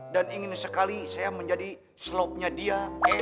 dan ingin sekali saya menjadi suaminya dia